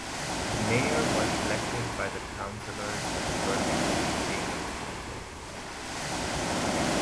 The Mayor was elected by the Councillors at the first meeting of the Council.